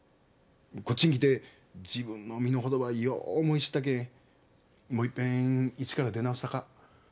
こっちに来て自分の身の程ばよう思い知ったけんもう一遍一から出直したか。